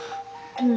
うん。